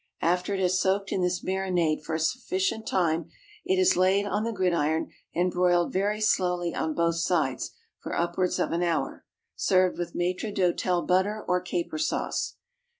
After it has soaked in this marinade for a sufficient time, it is laid on the gridiron, and broiled very slowly, on both sides, for upwards of an hour. Served with maître d'hôtel butter or caper sauce.